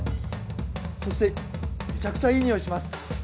そしてむちゃくちゃいいにおいします。